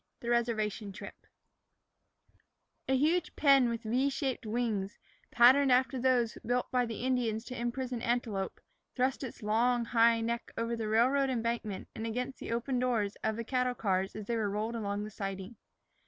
XVI THE RESERVATION TRIP A HUGE pen with V shaped wings, patterned after those built by the Indians to imprison antelope, thrust its long, high neck over the railroad embankment and against the open doors of the cattle cars as they were rolled along the siding.